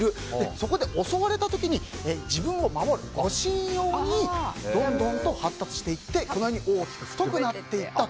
そこで襲われた時に自分を守る護身用にどんどんと発達していってこのように大きく太くなっていった